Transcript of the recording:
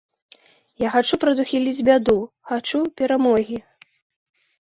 Я хачу прадухіліць бяду, хачу перамогі.